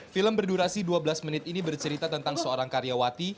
film berdurasi dua belas menit ini bercerita tentang seorang karyawati